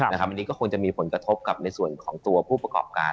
อันนี้ก็คงจะมีผลกระทบกับในส่วนของตัวผู้ประกอบการ